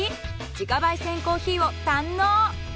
自家焙煎コーヒーを堪能。